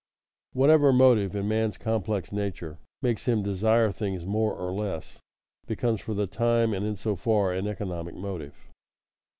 _Whatever motive in man's complex nature makes him desire things more or less, becomes for the time, and in so far, an economic motive.